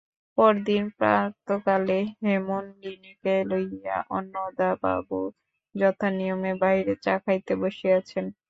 পরদিন প্রাতঃকালে হেমনলিনীকে লইয়া অন্নদাবাবু যথানিয়মে বাহিরে চা খাইতে বসিয়াছেন।